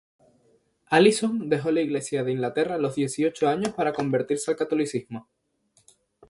Alison dejó la Iglesia de Inglaterra a los dieciocho años, para convertirse al catolicismo.